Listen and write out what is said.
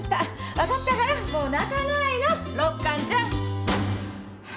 分かったからもう泣かないの肋間ちゃん。